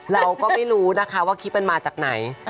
เราก็ไม่รู้นะคะว่าคลิปมันมาจากไหน